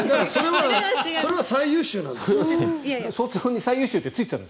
それは最優秀なんです。